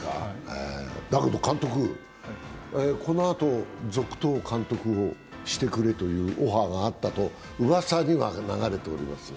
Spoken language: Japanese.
だけど監督、このあと監督続投をしてくれというオファーがあったと、うわさでは流れておりますが。